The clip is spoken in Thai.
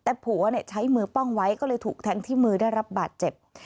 แต่ผัวใช้มือป้องไว้ก็เลยถูกแทงที่มือได้รับบาดเจ็บ